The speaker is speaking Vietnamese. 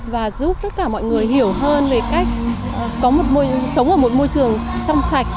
và giúp tất cả mọi người hiểu hơn về cách sống ở một môi trường trong sạch